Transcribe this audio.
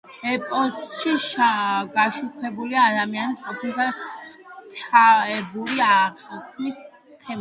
ეპოსში გაშუქებულია ადამიანური ყოფის და ღვთაებრივი აღქმის თემები.